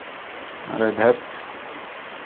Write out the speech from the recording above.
আরে, ধ্যাত।